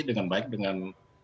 dengan baik dengan